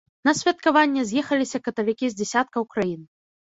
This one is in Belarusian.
На святкаванне з'ехаліся каталікі з дзесяткаў краін.